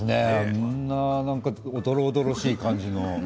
あんなおどろおどろしい感じの。